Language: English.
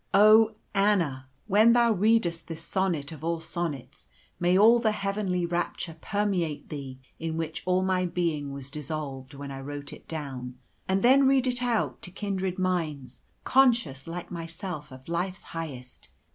"Oh, Anna! when thou readest this sonnet of all sonnets, may all the heavenly rapture permeate thee in which all my being was dissolved when I wrote it down, and then read it out, to kindred minds, conscious, like myself, of life's highest.